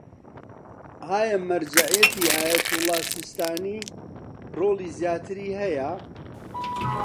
ئایا مەرجەعیەتی ئایەتوڵا سیستانی ڕۆڵی زیاتری هەیە؟